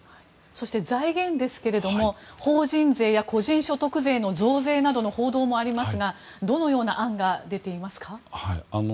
そして財源ですが法人税や個人所得税の増税などの報道もありますがどのような案が出ていますか？